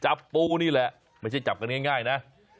จับปูนี่แหละไม่ใช่จับกันง่ายนะ